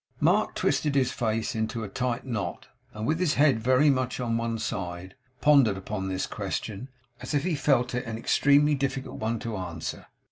Mark twisted his face into a tight knot, and with his head very much on one side, pondered upon this question as if he felt it an extremely difficult one to answer.